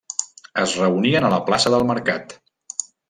Es reunien a la plaça del mercat.